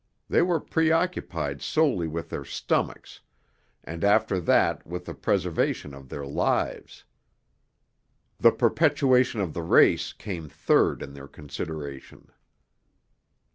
They were preoccupied solely with their stomachs, and after that with the preservation of their lives. The perpetuation of the race came third in their consideration.